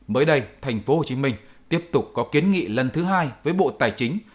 mới đây tp hcm tiếp tục có kiến nghị lần thứ hai với bộ tài chính